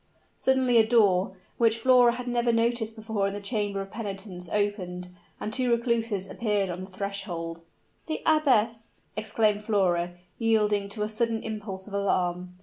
Suddenly a door, which Flora had never noticed before in the chamber of penitence, opened, and two recluses appeared on the threshold. "The abbess!" ejaculated Flora, yielding to a sudden impulse of alarm.